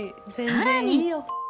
さらに。